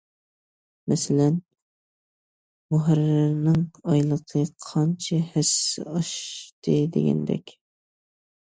مەسىلەن، مۇھەررىرنىڭ ئايلىقى قانچە ھەسسە ئاشتى... دېگەندەك.